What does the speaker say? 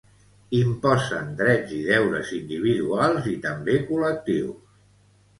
Imposen drets i deures individuals i també col·lectius.